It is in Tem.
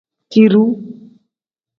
Tiruu.